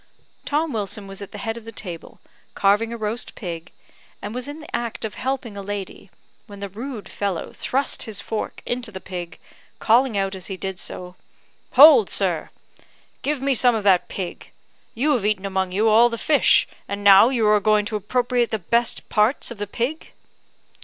Tom Wilson was at the head of the table, carving a roast pig, and was in the act of helping a lady, when the rude fellow thrust his fork into the pig, calling out as he did so "Hold, sir! give me some of that pig! You have eaten among you all the fish, and now you are going to appropriate the best parts of the pig."